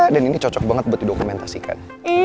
dan ini cocok banget buat didokumentasikan